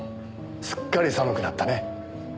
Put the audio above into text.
すっかり寒くなったね。